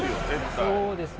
そうですね